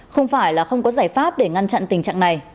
không phải là không có giải pháp để ngăn chặn tình trạng này